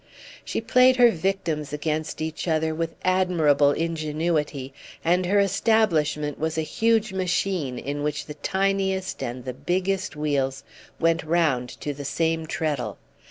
She played her victims against each other with admirable ingenuity, and her establishment was a huge machine in which the tiniest and the biggest wheels went round to the same treadle.